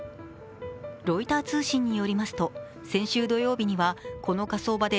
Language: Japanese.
ロイター通信によりますと、先週土曜日にはこの火葬場で